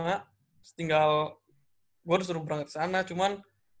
terus tinggal gue udah disuruh berangkat ke sana cuman